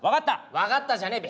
分かったじゃねえべ。